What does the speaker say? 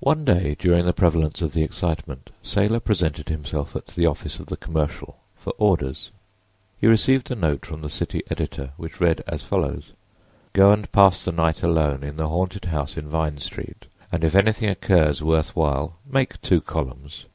One day during the prevalence of the excitement Saylor presented himself at the office of the Commercial for orders. He received a note from the city editor which read as follows: "Go and pass the night alone in the haunted house in Vine street and if anything occurs worth while make two columns."